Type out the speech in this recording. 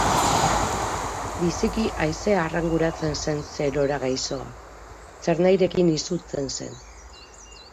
Biziki aise arranguratzen zen serora gaizoa, zernahirekin izutzen zen.